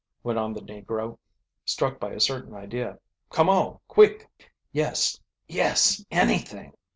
went on the negro, struck by a certain idea. "Come on, quick!" "Yes yes anything!"